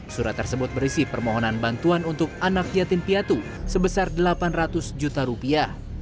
surat tersebut berisi permohonan bantuan untuk anak yatim piatu sebesar delapan ratus juta rupiah